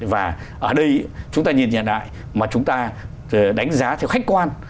và ở đây chúng ta nhìn nhận lại mà chúng ta đánh giá theo khách quan